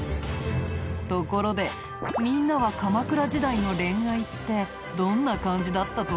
ところでみんなは鎌倉時代の恋愛ってどんな感じだったと思う？